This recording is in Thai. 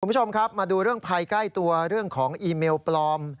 คุณผู้ชมครับมาดูเรื่องภัยใกล้ตัวเรื่องของอีเมลปลอม